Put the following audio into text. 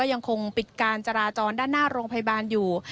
ยังคงปิดการจราจรด้านหน้าโรงพยาบาลอยู่